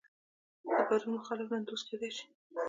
د پرون مخالف نن دوست کېدای شي.